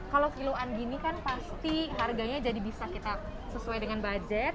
kalau kiloan gini kan pasti harganya jadi bisa kita sesuai dengan budget